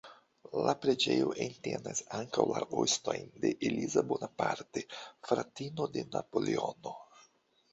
La preĝejo entenas ankaŭ la ostojn de Eliza Bonaparte, fratino de Napoleono.